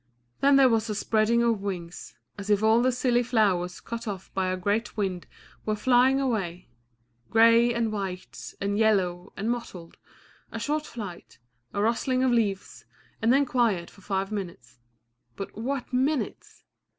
Then there was a spreading of wings, as if all the silly flowers cut off by a great wind were flying away; gray, and white, and yellow, and mottled, a short flight, a rustling of leaves, and then quiet for five minutes. But what minutes!